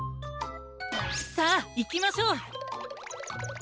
さあいきましょう！